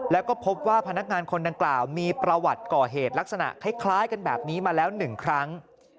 แล้วก็พบว่าพนักงานคนดังกล่าวมีประวัติก่อเหตุลักษณะคล้ายกันแบบนี้มาแล้ว๑ครั้ง